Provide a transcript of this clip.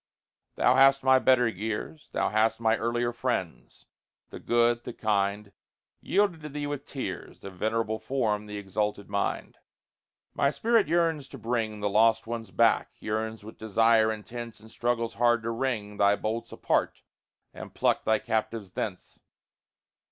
Thou hast my better years, Thou hast my earlier friends the good, the kind Yielded to thee with tears The venerable form, the exalted mind. My spirit yearns to bring The lost ones back; yearns with desire intense, And struggles hard to wring Thy bolts apart, and pluck thy captives thence.